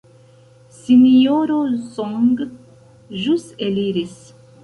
Sinjoro Song ĵus eliris.